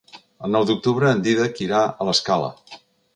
El nou d'octubre en Dídac irà a l'Escala.